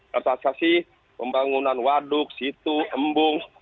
retisasi pembangunan waduk situ embung